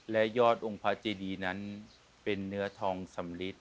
และยอดองค์พระเจดีนั้นเป็นเนื้อทองสำลิด